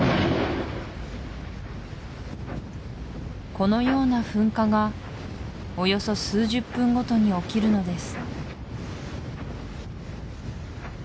このような噴火がおよそ数十分ごとに起きるのです